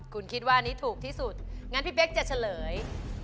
คุณคิดว่าอันนี้ถูกที่สุดงั้นพี่เป๊กจะเฉลย